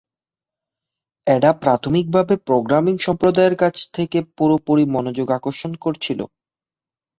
Ada প্রাথমিকভাবে programming সম্প্রদায়ের কাছ থেকে পুরোপুরি মনোযোগ আকর্ষণ করেছিল।